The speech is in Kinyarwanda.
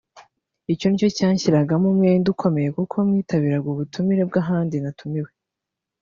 Icyo ni cyo cyanshyiragamo umwenda ukomeye kuko mwitabiraga ubutumire bw’ahandi natumiwe